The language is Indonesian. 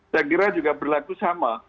saya kira juga berlaku sama